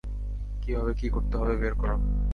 কীভাবে কী করতে হবে বের করো।